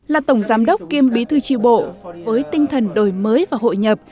là tổng giám đốc kiêm bí thư tri bộ với tinh thần đổi mới và hội nhập